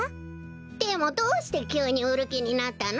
でもどうしてきゅうにうるきになったの？